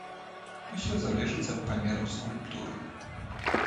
Усё залежыць ад памераў скульптуры.